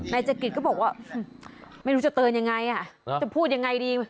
ในเศรษฐกิจก็บอกว่าไม่รู้จะเตือนยังไงอ่ะจะพูดยังไงดี